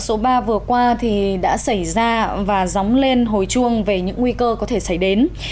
cơn bão số ba vừa qua thì đã xảy ra và dóng lên hồi chuông về những nguy cơ có thể xảy đến